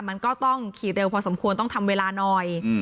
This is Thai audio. มันก็ต้องขี่เร็วพอสมควรต้องทำเวลาหน่อย